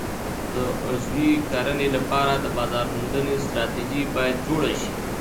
د عضوي کرنې لپاره د بازار موندنې ستراتیژي باید جوړه شي.